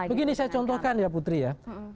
begini saya contohkan ya putri ya